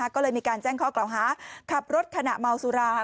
ก็เลยมีการแจ้งข้อกล่าวหาขับรถขณะเมาสุรา